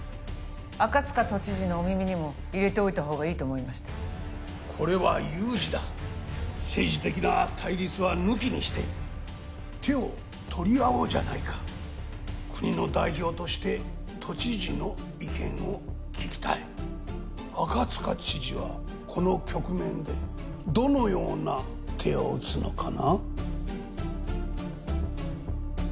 赤塚都知事のお耳にも入れておいた方がいいと思いましてこれは有事だ政治的な対立は抜きにして手を取り合おうじゃないか国の代表として都知事の意見を聞きたい赤塚知事はこの局面でどのような手を打つのかな？